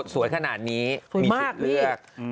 สวยขนาดนี้มีสิทธิ์เลือก